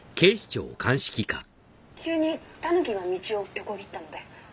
「急にタヌキが道を横切ったので」